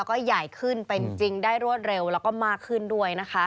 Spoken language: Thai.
ก็ใหญ่ขึ้นเป็นจริงได้รวดเร็วแล้วก็มากขึ้นด้วยนะคะ